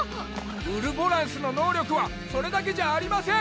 ウルボランスの能力はそれだけじゃありません！